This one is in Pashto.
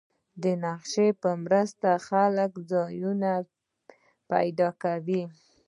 د نقشې په مرسته خلک ځایونه پیدا کوي.